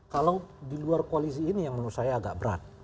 kalau di luar koalisi ini yang menurut saya agak berat